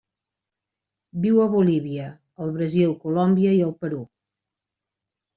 Viu a Bolívia, el Brasil, Colòmbia i el Perú.